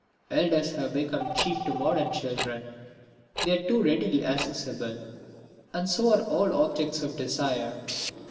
Elders have become cheap to modern children; they are too readily accessible, and so are all objects of desire.